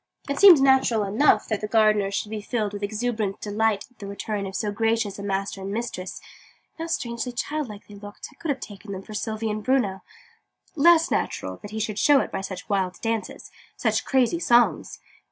It seemed natural enough that the gardener should be filled with exuberant delight at the return of so gracious a master and mistress and how strangely childlike they looked! I could have taken them for Sylvie and Bruno less natural that he should show it by such wild dances, such crazy songs!